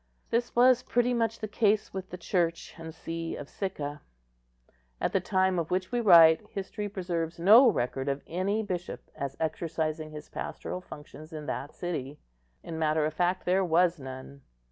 This was pretty much the case with the Church and see of Sicca. At the time of which we write, history preserves no record of any bishop as exercising his pastoral functions in that city. In matter of fact there was none.